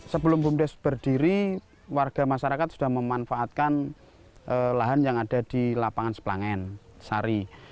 sebelum bumdes berdiri warga masyarakat sudah memanfaatkan lahan yang ada di lapangan sepelangen sari